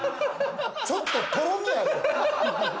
ちょっと、とろみあるやん。